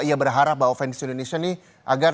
ia berharap bahwa fans indonesia ini agar